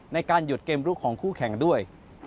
ในการหยุดเกมลุกของคู่แข่งด้วย